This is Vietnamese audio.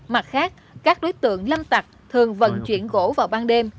mặt khác các đối tượng lâm tặc thường vận chuyển gỗ vào ban đêm